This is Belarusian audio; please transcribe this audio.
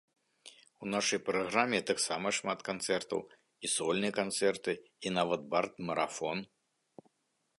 У нашай праграме таксама шмат канцэртаў, і сольныя канцэрты і нават бард-марафон.